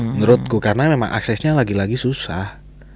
menurutku karena memang aksesnya lagi lagi susah